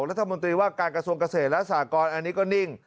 รัฐมนตรีว่าการกระทรวงเกษตรและสากรอันนี้ก็นิ่ง